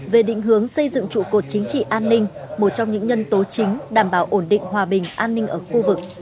về định hướng xây dựng trụ cột chính trị an ninh một trong những nhân tố chính đảm bảo ổn định hòa bình an ninh ở khu vực